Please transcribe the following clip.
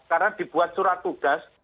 karena dibuat surat tugas